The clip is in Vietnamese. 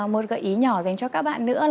một gợi ý nhỏ dành cho các bạn nữa